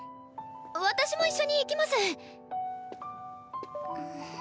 私も一緒に行きます。